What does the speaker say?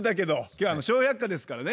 今日は「笑百科」ですからね。